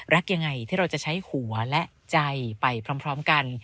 รักยังไงที่เราจะใช้หัวและใจไปพร้อมกัน